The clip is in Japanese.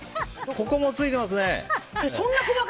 ここもついてますね。